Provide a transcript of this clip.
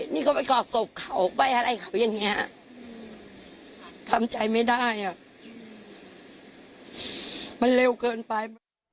นี่เขาไปกอดศพเขาไปอะไรเขาอย่างนี้ทำใจไม่ได้อ่ะมันเร็วเกินไป